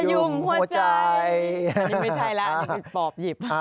อันนี้ไม่ใช่แล้วอีกปอบหยิบ